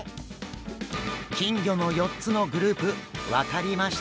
金魚の４つのグループ分かりましたか？